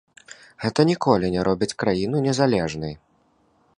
Гэта ніколькі не робіць краіну незалежнай.